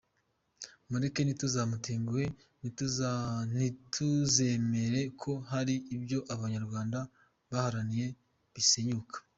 Mureke ntituzamutenguhe, ntituzemere ko hari ibyo Abanyarwanda baharaniye bisenyuka.